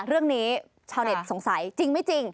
เรื่องนี้ชาวเน็ตสงสัยจริงไม่จริง